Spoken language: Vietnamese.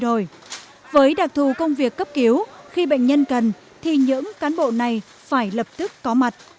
trang việc cấp cứu khi bệnh nhân cần thì những cán bộ này phải lập tức có mặt